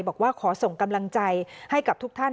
บอกว่าขอส่งกำลังใจให้กับทุกท่าน